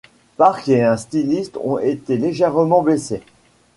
Park et un styliste ont été légèrement blessés.